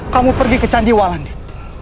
kamu pergi ke candiwalandit